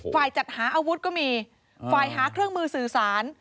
จัดหาอาวุธก็มีฝ่ายหาเครื่องมือสื่อสาร